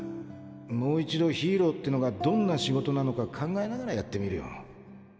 もう一度ヒーローってのがどんな仕事なのか考えながらやってみるよ。